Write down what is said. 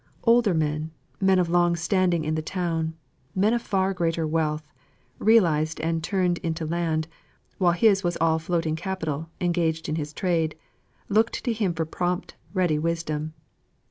Older men, men of long standing in the town, men of far greater wealth realised and turned into land, while his was all floating capital, engaged in his trade looked to him for prompt, ready wisdom.